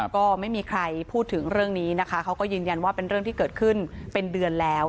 ก็ไม่มีใครพูดถึงเรื่องนี้นะคะเขาก็ยืนยันว่าเป็นเรื่องที่เกิดขึ้นเป็นเดือนแล้ว